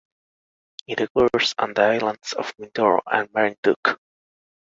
It occurs on the islands of Mindoro and Marinduque.